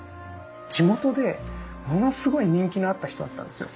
地元でものすごい人気のあった人だったんですよ。